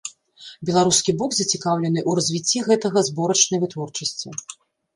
Беларускі бок зацікаўлены ў развіцці гэтага зборачнай вытворчасці.